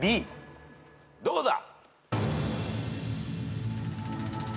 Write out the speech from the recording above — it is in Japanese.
どうだ！